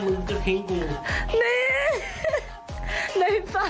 มึงมีอีกคนไหนล่ะ